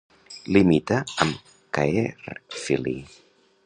Limita amb Caerphilly.